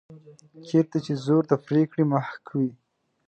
چېرته چې زور د پرېکړې محک وي.